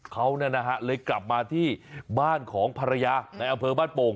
เขาเลยกลับมาที่บ้านของภรรยาในอำเภอบ้านโป่ง